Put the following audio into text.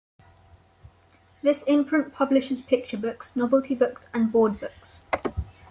This imprint publishes picture books, novelty books and board books.